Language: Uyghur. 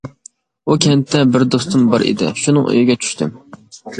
ئۇ كەنتتە بىر دوستۇم بار ئىدى، شۇنىڭ ئۆيىگە چۈشتۈم.